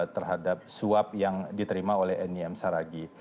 terhadap suap yang diterima oleh nim saragi